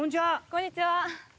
こんにちは。